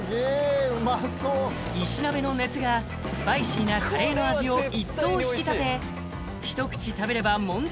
石鍋の熱がスパイシーなカレーの味を一層引き立てひと口食べればもん絶